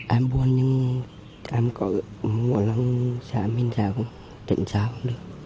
em buồn nhưng em có một năm sẽ minh giáo tỉnh giáo được